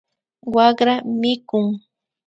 Wakraka mikun